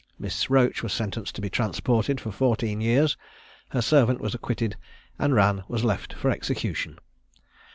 Miss Roche was sentenced to be transported for fourteen years; her servant was acquitted; and Rann was left for execution.